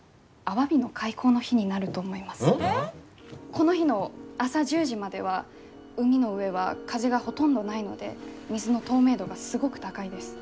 この日の朝１０時までは海の上は風がほとんどないので水の透明度がすごく高いです。